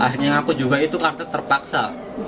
akhirnya ngaku juga itu karena terpaksa